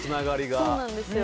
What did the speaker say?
そうなんですよ。